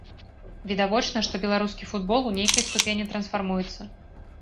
Відавочна, што беларускі футбол у нейкай ступені трансфармуецца.